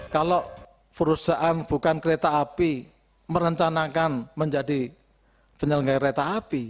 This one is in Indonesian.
kalau perusahaan bukan kereta api merencanakan menjadi penyelenggaraan kereta api